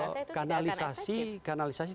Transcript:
saya rasa itu tidak akan efektif kanalisasi